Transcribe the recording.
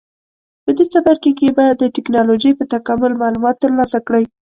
په دې څپرکي کې به د ټېکنالوجۍ په تکامل معلومات ترلاسه کړئ.